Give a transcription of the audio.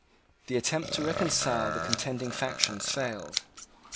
The attempt to reconcile the contending factions failed.